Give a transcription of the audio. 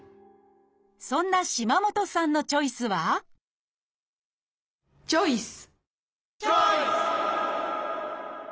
そんな島本さんのチョイスはチョイス！